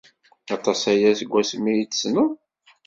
Aṭas aya seg wasmi ay t-tessned?